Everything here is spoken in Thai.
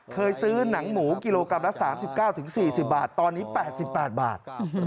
ซื้อหนังหมูกิโลกรัมละ๓๙๔๐บาทตอนนี้๘๘บาท